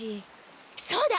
そうだ！